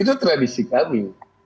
itu tradisi kami